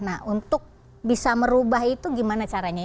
nah untuk bisa merubah itu gimana caranya